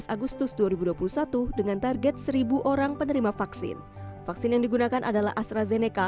agustus dua ribu dua puluh satu dengan target seribu orang penerima vaksin vaksin yang digunakan adalah astrazeneca